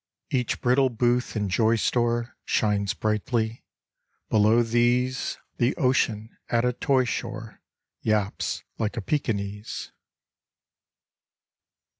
Each brittle booth and joy store Shines brightly. Below these The ocean at a toy shore Yaps like a Pekinese.